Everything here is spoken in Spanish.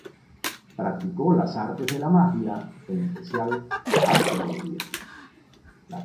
Practicó las artes de la magia, en especial la astrología.